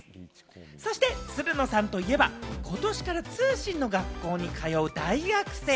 そして、つるのさんといえば、ことしから通信の学校に通う大学生。